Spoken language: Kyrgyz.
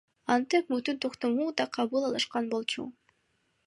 Анда өкмөттүн токтомун да кабыл алышкан болчу.